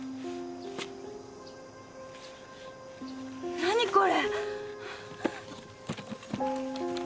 何これ！？